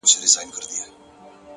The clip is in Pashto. خپل راتلونکی په نن جوړ کړئ.!